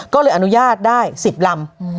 ก็เลยอนุญาตได้๑๐ลำ